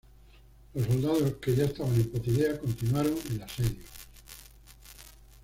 Los soldados que ya estaban en Potidea continuaron el asedio.